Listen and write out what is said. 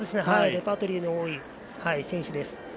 レパートリーの多い選手です。